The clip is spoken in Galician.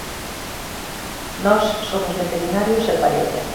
Nós somos veterinarios e parella.